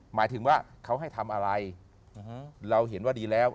หมายถึงว่าเขาให้ทำอะไรเราเห็นว่าดีแล้ว